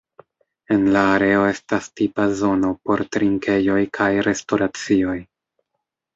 En la areo estas tipa zono por trinkejoj kaj restoracioj.